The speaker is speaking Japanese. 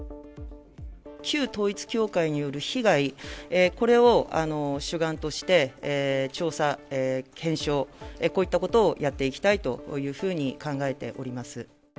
旧統一教会による被害、これを主眼として調査、検証、こういったことをやっていきたいというふうに考えております。